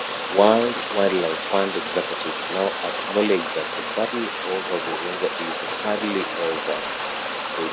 World Wildlife Fund executives now acknowledge that the battle over Virunga is hardly over.